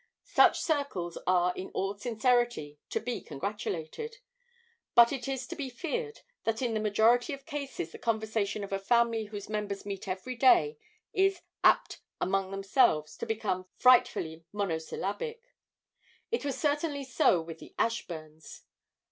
Such circles are in all sincerity to be congratulated; but it is to be feared that in the majority of cases the conversation of a family whose members meet every day is apt, among themselves, to become frightfully monosyllabic. It was certainly so with the Ashburns.